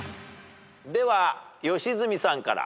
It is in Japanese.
では良純さんから。